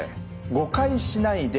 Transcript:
「誤解しないで！